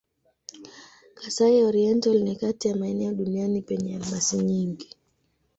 Kasai-Oriental ni kati ya maeneo duniani penye almasi nyingi.